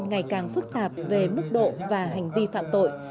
ngày càng phức tạp về mức độ và hành vi phạm tội